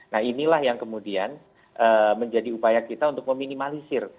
nah inilah yang kemudian menjadi upaya kita untuk meminimalisir